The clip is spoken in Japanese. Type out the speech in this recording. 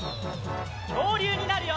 きょうりゅうになるよ！